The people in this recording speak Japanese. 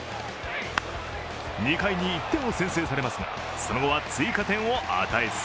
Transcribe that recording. ２回に１点を先制されますが、その後は追加点を与えず。